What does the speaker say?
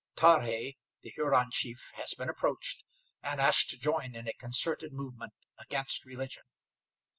Tarhe, the Huron chief, has been approached, and asked to join in a concerted movement against religion.